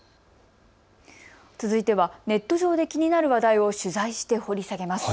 続いてはネット上で気になる話題を取材して掘り下げます。